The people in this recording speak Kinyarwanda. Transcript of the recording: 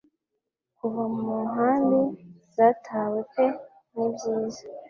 kuva mu nkambi zatawe pe ni byiza